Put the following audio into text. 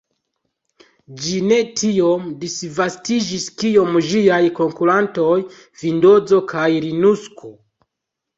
Ĝi ne tiom disvastiĝis kiom ĝiaj konkurantoj Vindozo kaj Linukso.